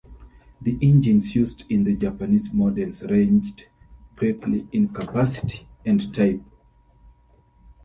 The engines used in the Japanese models ranged greatly in capacity and type.